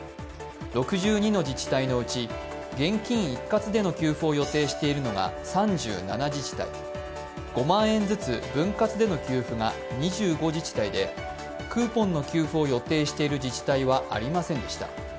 ６２の自治体のうち現金一括での給付を予定しているのが３７自治体、５万円ずつ分割での給付が２５自治体でクーポンの給付を予定している自治体はありませんでした。